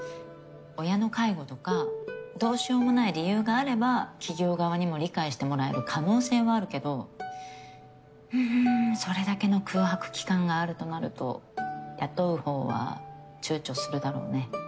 親の介護とかどうしようもない理由があれば企業側にも理解してもらえる可能性はあるけどうんそれだけの空白期間があるとなると雇うほうはちゅうちょするだろうね。